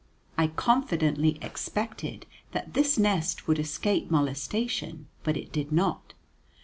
I confidently expected that this nest would escape molestation, but it did not.